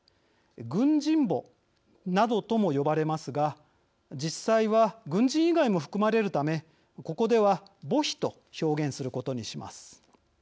「軍人墓」などとも呼ばれますが実際は軍人以外も含まれるためここでは墓碑と表現することにします。